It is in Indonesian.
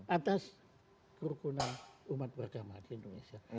atas kerukunan umat beragama di indonesia